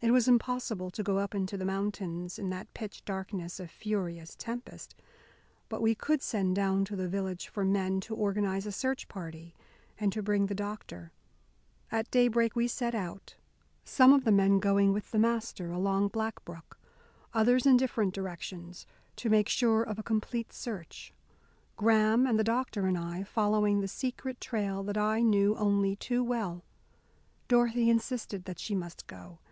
It was impossible to go up into the mountains in that pitch darkness of furious tempest. But we could send down to the village for men to organise a search party and to bring the doctor. At daybreak we set out some of the men going with the Master along Black Brook, others in different directions to make sure of a complete search Graham and the doctor and I following the secret trail that I knew only too well. Dorothy insisted that she must go.